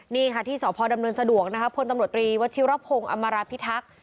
นี่ค่ะที่สพดำเนินสะดวกนะครับ